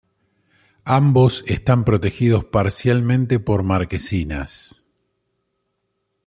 Ambos están protegidos parcialmente por marquesinas.